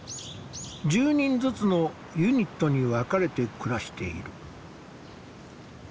１０人ずつのユニットに分かれて暮らしている。